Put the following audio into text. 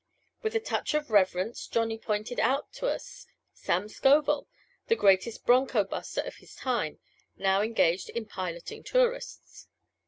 With a touch of reverence Johnny pointed out to us Sam Scovel, the greatest bronco buster of his time, now engaged in piloting tourists.